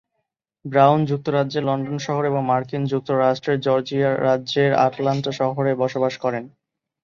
Brown যুক্তরাজ্যের London শহর এবং মার্কিন যুক্তরাষ্ট্রের জর্জিয়া রাজ্যের আটলান্টা শহরে বসবাস করেন।